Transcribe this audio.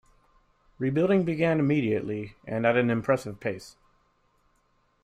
Rebuilding began immediately, and at an impressive pace.